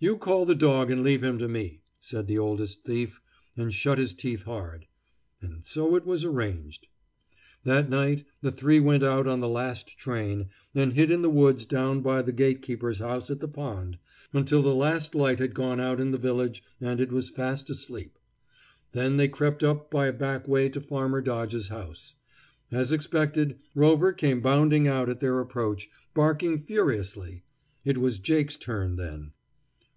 "You call the dog and leave him to me," said the oldest thief, and shut his teeth hard. And so it was arranged. That night the three went out on the last train, and hid in the woods down by the gatekeeper's house at the pond, until the last light had gone out in the village and it was fast asleep. Then they crept up by a back way to Farmer Dodge's house. As expected, Rover came bounding out at their approach, barking furiously. It was Jake's turn then.